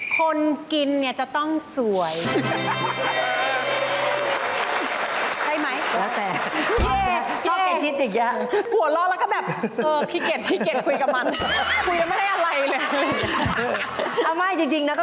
คนกินจะต้องสวย